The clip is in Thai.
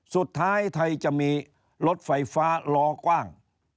สุดท้ายไทยจะมีรถไฟฟ้ารอกว้าง